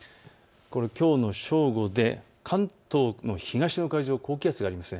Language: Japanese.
きょうの正午で関東の東の海上、高気圧があるんです。